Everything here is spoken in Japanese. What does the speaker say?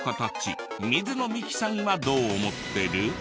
水野美紀さんはどう思ってる？